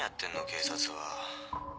警察は。